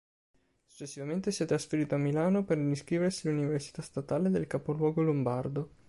Successivamente si è trasferito a Milano per iscriversi all'università statale del capoluogo lombardo.